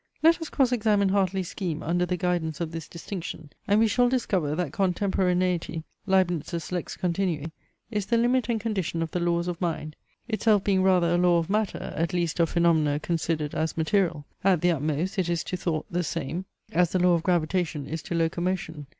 Let us cross examine Hartley's scheme under the guidance of this distinction; and we shall discover, that contemporaneity, (Leibnitz's Lex Continui,) is the limit and condition of the laws of mind, itself being rather a law of matter, at least of phaenomena considered as material. At the utmost, it is to thought the same, as the law of gravitation is to loco motion.